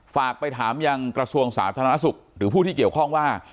ฝากไปถามยังกระทรวงสาธารณสุขหรือผู้ที่เกี่ยวข้องว่า